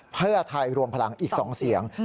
เพื่อไทยรวมพลังอีก๒เสียง